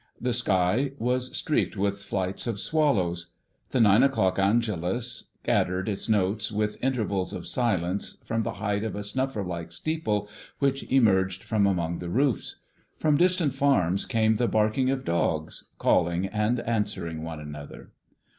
The sky was streaked with flights of swallows. The nine o'clock Angelus scattered its notes with intervals of silence from the height of a snuffer like steeple which emerged from among the roofs. From distant farms came the barking of dogs calling and answering one another.